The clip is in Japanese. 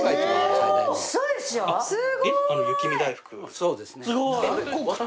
そうですね。